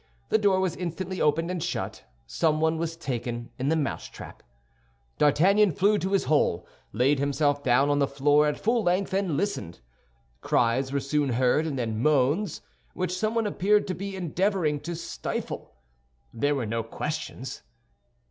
The door was instantly opened and shut; someone was taken in the mousetrap. D'Artagnan flew to his hole, laid himself down on the floor at full length, and listened. Cries were soon heard, and then moans, which someone appeared to be endeavoring to stifle. There were no questions.